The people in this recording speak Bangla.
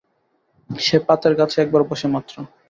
সে পাতের কাছে একবার বসে মাত্র!